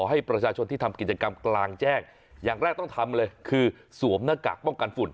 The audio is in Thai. ให้ประชาชนที่ทำกิจกรรมกลางแจ้งอย่างแรกต้องทำเลยคือสวมหน้ากากป้องกันฝุ่น